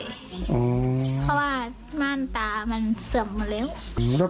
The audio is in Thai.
เพราะว่าม่าตามันเสี่ยมมาเร็ว